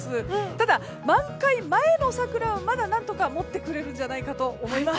ただ、満開前の桜はまだ何とか持ってくれるんじゃないかと思います。